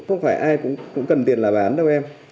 có phải ai cũng cần tiền là bán đâu em